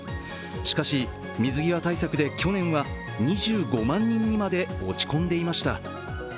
しかし、水際対策で去年は２５万人にまで落ち込んでいました。